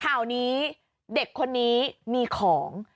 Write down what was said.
ข่าวนี้เด็กคนนี้มีของ